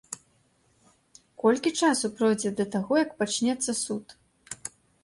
Колькі часу пройдзе да таго, як пачнецца суд?